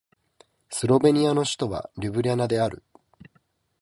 スロベニアの首都はリュブリャナである